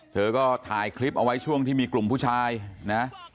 เธอก็ถ่ายคลิปเอาไว้ช่วงที่มีกลุ่มผู้ชายนะ